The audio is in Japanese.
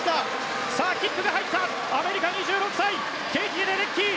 キックが入った、アメリカの２６歳ケイティ・レデッキー！